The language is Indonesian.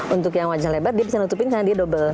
untuk yang wajah lebar dia bisa nutupin karena dia double